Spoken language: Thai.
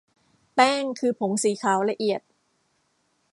แป้งคือผงสีขาวละเอียด